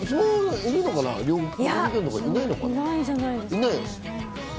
いないんじゃないですかね。